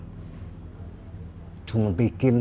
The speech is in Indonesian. hai cuma bikin